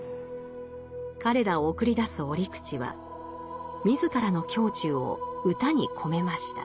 彼らを送り出す折口は自らの胸中を歌に込めました。